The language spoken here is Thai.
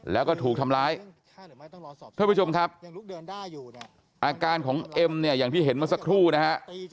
แล้วก็ถูกทำร้ายเพื่อผู้ชมครับอาการของเอ็มอย่างที่เห็นมาสักครู่นะฮะ